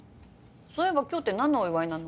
そういえば今日って何のお祝いなの？